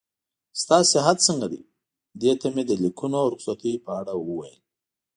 ستا صحت څنګه دی؟ دې ته مې د لیکونو او رخصتۍ په اړه وویل.